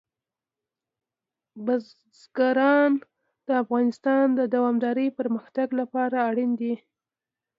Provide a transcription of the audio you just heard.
بزګان د افغانستان د دوامداره پرمختګ لپاره اړین دي.